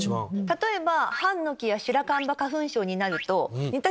例えば。